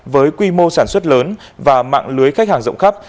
với quy mô sản xuất lớn và mạng lưới khách hàng rộng khắp